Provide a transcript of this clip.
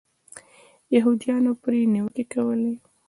یهودیانو پرې نیوکې کولې.